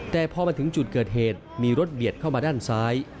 แต่พอมาถึงจุดเกิดเหตุมีรถเบียดเข้ามาด้านซ้าย